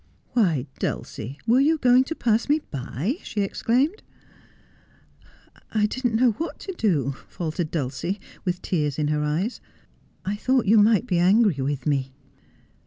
'Why, Dulcie, were you going to pass me by?' she ex claimed. ' I did not know what to do, 1 faltered Dulcie, with tears in her eyes. ' I thought you might be angry with me.'